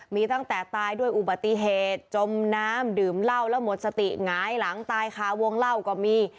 มีตั้งแต่ตายด้วยอุบัติเหตุจมน้ำดื่มเหล้าแล้วหมดสติหงายหลังตายคาวงเล่าก็มี